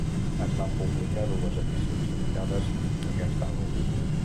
Es van publicar dues edicions limitades d'aquest àlbum.